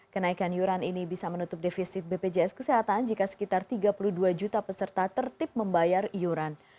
kenaikan iuran ini bisa menutup defisit bpjs kesehatan jika sekitar tiga puluh dua juta peserta tertib membayar iuran